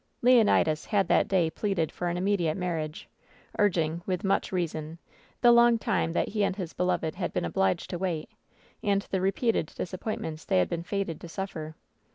Leonidas had that day pleaded for an immediate mar riage, urging, with much reason, the long time that he and his beloved had been obliged to wait, and the re peated disappointments they had been fated to suffer.